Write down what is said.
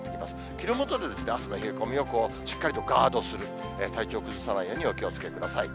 着るもので朝の冷え込みをしっかりとガードする、体調を崩さないようにお気をつけください。